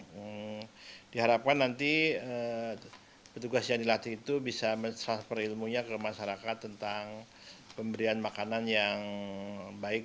jadi diharapkan nanti petugas yang dilatih itu bisa men transfer ilmunya ke masyarakat tentang pemberian makanan yang baik